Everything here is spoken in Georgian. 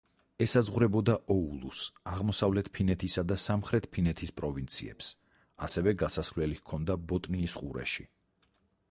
ესაზღვრებოდა ოულუს, აღმოსავლეთ ფინეთისა და სამხრეთ ფინეთის პროვინციებს, ასევე გასასვლელი ჰქონდა ბოტნიის ყურეში.